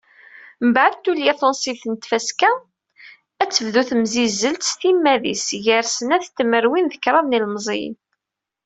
Mbeɛd tulya tunṣibt n tfaska-a, ad tebdu temsizzelt s timmad-is, gar snat tmerwin d kraḍ n yilmeẓyen.